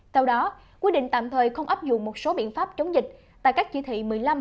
theo đó quy định tạm thời không áp dụng một số biện pháp chống dịch tại các chỉ thị một mươi năm một mươi sáu một mươi chín